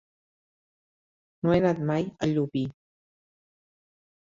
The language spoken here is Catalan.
No he anat mai a Llubí.